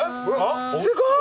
すごい！